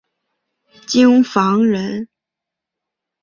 京房人。